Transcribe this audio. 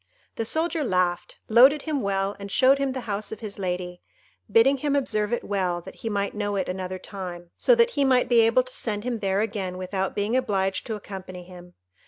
The soldier laughed, loaded him well, and showed him the house of his lady, bidding him observe it well that he might know it another time, so that he might be able to send him there again without being obliged to accompany him.